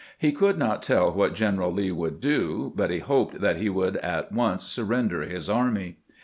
He could not tell what General Lee would do, but he hoped that he would at once surrender his army.